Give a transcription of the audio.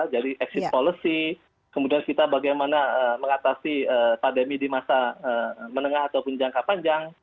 jadi exit policy kemudian kita bagaimana mengatasi pandemi di masa menengah ataupun jangka panjang